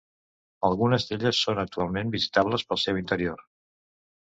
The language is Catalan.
Algunes d'elles són actualment visitables pel seu interior.